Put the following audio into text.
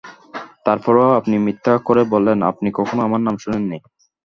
তার পরেও আপনি মিথ্যা করে বললেন, আপনি কখনো আমার নাম শোনেন নি?